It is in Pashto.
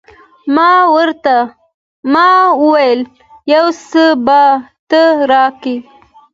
ما وويل يو څه به ته راکې.